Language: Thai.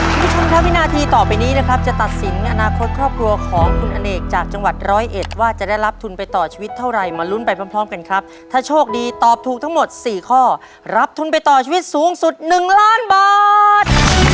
คุณผู้ชมครับวินาทีต่อไปนี้นะครับจะตัดสินอนาคตครอบครัวของคุณอเนกจากจังหวัดร้อยเอ็ดว่าจะได้รับทุนไปต่อชีวิตเท่าไรมาลุ้นไปพร้อมกันครับถ้าโชคดีตอบถูกทั้งหมด๔ข้อรับทุนไปต่อชีวิตสูงสุด๑ล้านบาท